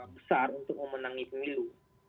besar untuk memenangi pemilu